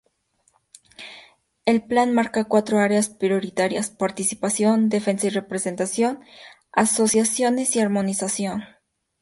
El plan marca cuatro áreas prioritarias; Participación, Defensa y Representación, Asociaciones y Armonización.